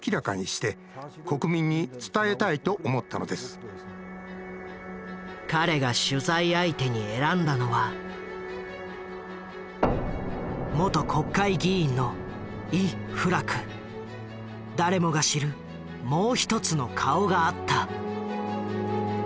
雑誌の政治担当記者だった彼が取材相手に選んだのは元国会議員の誰もが知るもう一つの顔があった。